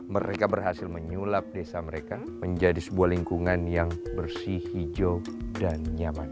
mereka berhasil menyulap desa mereka menjadi sebuah lingkungan yang bersih hijau dan nyaman